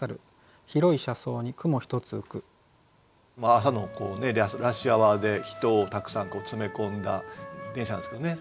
朝のラッシュアワーで人をたくさん詰め込んだ電車なんですけどね